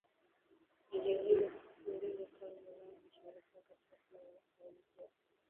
ya dini hizo mbili kule Ulaya na Mashariki ya Kati Waislamu wanastahili pia